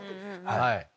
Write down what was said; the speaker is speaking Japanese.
はい。